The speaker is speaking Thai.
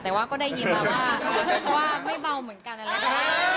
แต่ว่าก็ได้ยินมาว่าเขาว่าไม่เบาเหมือนกันอะแหละค่ะ